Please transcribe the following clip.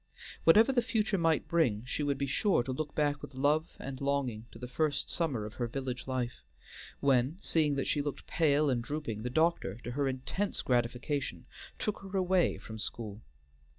Whatever the future might bring, she would be sure to look back with love and longing to the first summer of her village life, when, seeing that she looked pale and drooping, the doctor, to her intense gratification, took her away from school.